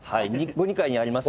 お二階にあります。